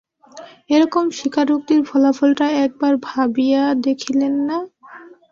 এরকম স্বীকারোক্তির ফলাফলটা একবার ভাবিয়া দেখিলেন না?